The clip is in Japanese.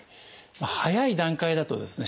早い段階だとですね